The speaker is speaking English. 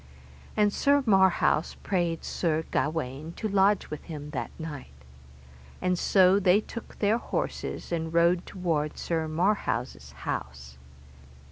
And Sir Marhaus prayed Sir Gawaine to lodge with him that night. And so they took their horses, and rode toward Sir Marhaus' house.